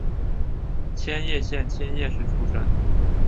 千叶县千叶市出身。